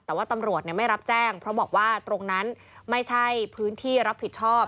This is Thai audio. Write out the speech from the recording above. แต่ว่าตำรวจไม่รับแจ้งเพราะบอกว่าตรงนั้นไม่ใช่พื้นที่รับผิดชอบ